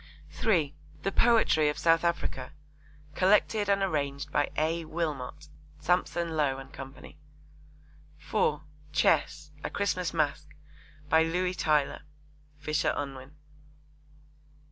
(3) The Poetry of South Africa. Collected and arranged by A. Wilmot. (Sampson Low and Co.) (4) Chess. A Christmas Masque. By Louis Tylor. (Fisher Unwin.)